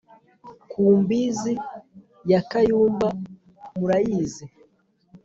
ku mbizi ya kayumba murayizi